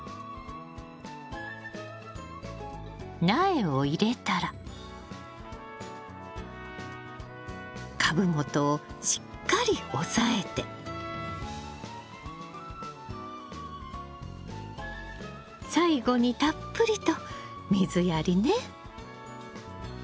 苗を入れたら株元をしっかり押さえて最後にたっぷりと水やりね。